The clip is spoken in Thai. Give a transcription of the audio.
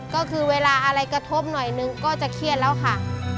ก็คือเวลาอะไรกระทบหน่อยนึงก็จะเครียดแล้วค่ะ